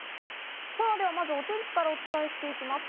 さぁ、ではまずお天気からお伝えしていきます。